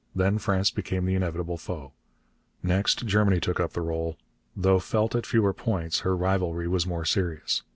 Then France became the inevitable foe. Next Germany took up the rôle. Though felt at fewer points, her rivalry was more serious.